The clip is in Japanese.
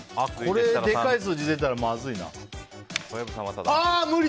これでかい数字出たらまずいな。